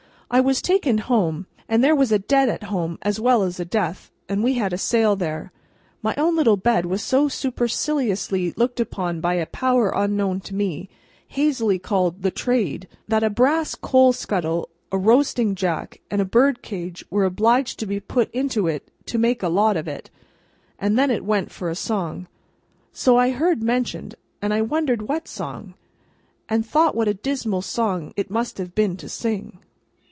I was taken home, and there was Debt at home as well as Death, and we had a sale there. My own little bed was so superciliously looked upon by a Power unknown to me, hazily called "The Trade," that a brass coal scuttle, a roasting jack, and a birdcage, were obliged to be put into it to make a Lot of it, and then it went for a song. So I heard mentioned, and I wondered what song, and thought what a dismal song it must have been to sing!